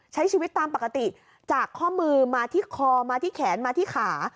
ใช้ชีวิตตามปกติจากข้อมือมาที่คอมาที่แขนมาที่ขา